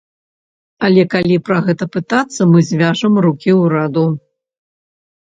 Але калі пра гэта пытацца, мы звяжам рукі ўраду.